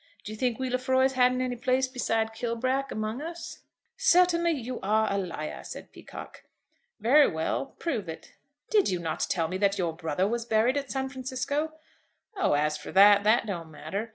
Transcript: Do you think we Lefroys hadn't any place beside Kilbrack among us?" "Certainly you are a liar," said Peacocke. "Very well. Prove it." "Did you not tell me that your brother was buried at San Francisco?" "Oh, as for that, that don't matter.